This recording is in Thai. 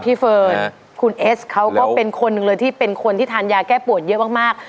เฟิร์นคุณเอสเขาก็เป็นคนหนึ่งเลยที่เป็นคนที่ทานยาแก้ปวดเยอะมาก